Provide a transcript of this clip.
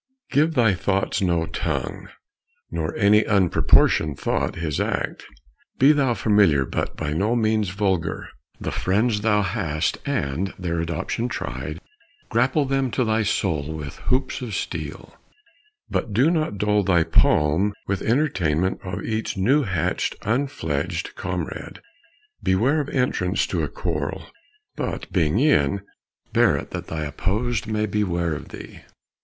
Give thy thoughts no tongue, Nor any unproportion'd thought his act. Be thou familiar, but by no means vulgar; The friends thou hast, and their adoption tried, Grapple them to thy soul with hoops of steel; But do not dull thy palm with entertainment Of each new hatch'd, unfledg'd comrade. Beware Of entrance to a quarrel, but, being in, Bear 't that th' opposed may beware of thee.